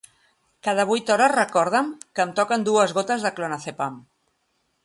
Cada vuit hores recorda'm que em toquen dues gotes de clonazepam.